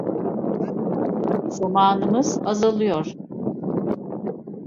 Zamanımız azalıyor.